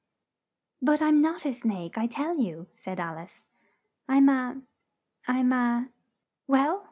"But I'm not a snake, I tell you!" said Al ice. "I'm a I'm a " "Well!